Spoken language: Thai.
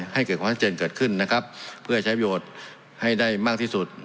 ให้เกิดของประชาชนเกิดขึ้นนะครับเพื่อให้ใช้โยชน์ให้ได้มากที่สุด